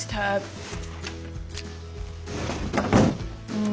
うん。